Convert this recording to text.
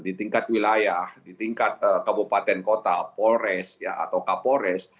di tingkat wilayah di tingkat kabupaten kota polres atau kapolres